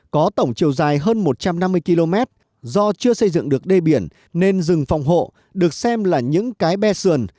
có tổng chiều dài hơn một trăm năm mươi km do chưa xây dựng được đê biển nên rừng phòng hộ được xem là những cái be sườn